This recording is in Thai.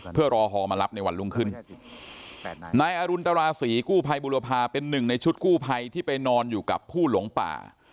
เพื่อรอฮอมารับในวันรุ่งขึ้นนายอรุณตราศรีกู้ภัยบุรพาเป็นหนึ่งในชุดกู้ภัยที่ไปนอนอยู่กับผู้หลงป่า